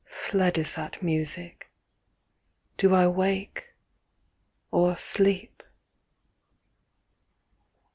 Fled is that music:—Do I wake or sleep?